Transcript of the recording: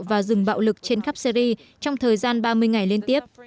và dừng bạo lực trên khắp syri trong thời gian ba mươi ngày liên tiếp